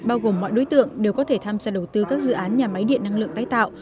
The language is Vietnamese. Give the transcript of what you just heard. bao gồm mọi đối tượng đều có thể tham gia đầu tư các dự án nhà máy điện năng lượng tái tạo